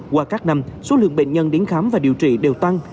qua các năm số lượng bệnh nhân đến khám và điều trị đều tăng